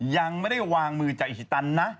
ยังไม่ได้วางมือจากอิฮิตันนะ